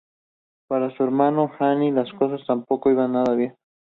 Para su hermano Andy las cosas tampoco iban nada bien.